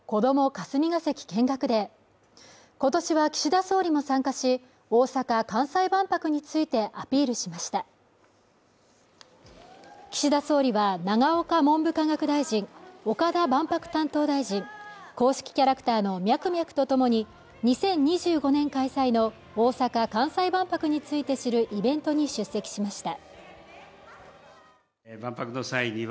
霞が関見学デー今年は岸田総理も参加し大阪・関西万博についてアピールしました岸田総理は永岡文部科学大臣岡田万博担当大臣公式キャラクターのミャクミャクと共に２０２５年開催の大阪・関西万博について知るイベントに出席しました